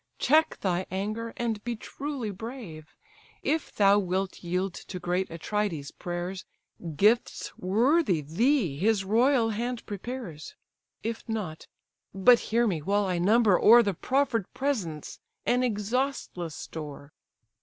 check thy anger; and be truly brave. If thou wilt yield to great Atrides' prayers, Gifts worthy thee his royal hand prepares; If not—but hear me, while I number o'er The proffer'd presents, an exhaustless store.